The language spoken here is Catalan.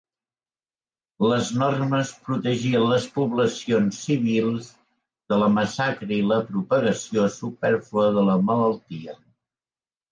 Les normes protegien les poblacions civils de la massacre i la propagació supèrflua de la malaltia.